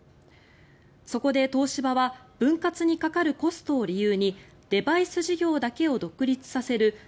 そこで東芝は分割にかかるコストを理由にデバイス事業だけを独立させる